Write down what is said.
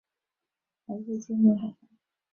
孩子渐渐长大